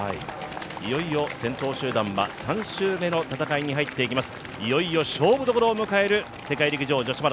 いよいよ先頭集団は３周目の戦いに入っていきます。